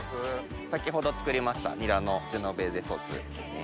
先ほど作りましたニラのジェノベーゼソースですね。